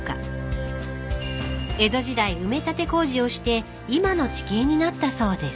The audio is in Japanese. ［江戸時代埋め立て工事をして今の地形になったそうです］